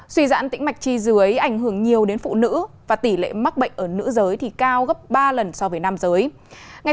suy giãn tĩnh mạch chi dưới ấy ảnh hưởng nhiều đến phụ nữ và tỷ lệ mắc bệnh ở nữ giới thì cao gấp ba lần so với nam giới